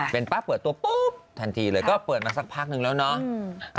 เป็นปั๊บเปิดตัวปุ๊บทันทีเลยก็เปิดมาสักพักนึงแล้วเนาะ